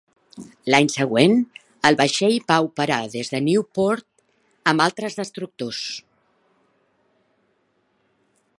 L'any següent, el vaixell va operar des de Newport amb altres destructors.